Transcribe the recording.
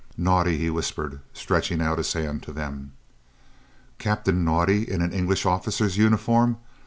"Naudé," he whispered, stretching out his hands to them. Captain Naudé in an English officer's uniform!